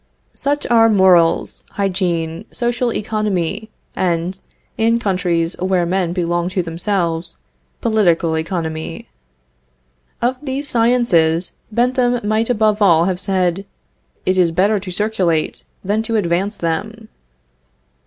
Such are morals, hygiene, social economy, and (in countries where men belong to themselves) political economy. Of these sciences Bentham might above all have said: "It is better to circulate, than to advance them."